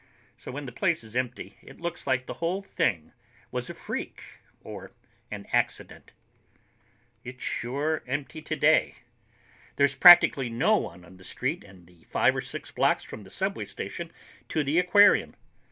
So when the place is empty, it looks like the whole thing was a freak or an accident. It's sure empty today. There's practically no one on the street in the five or six blocks from the subway station to the aquarium.